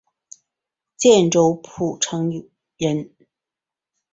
建州浦城人。